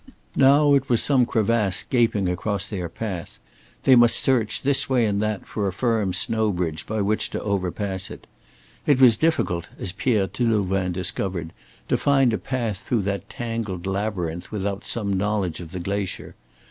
Now it was some crevasse gaping across their path; they must search this way and that for a firm snow bridge by which to overpass it. It was difficult, as Pierre Delouvain discovered, to find a path through that tangled labyrinth without some knowledge of the glacier.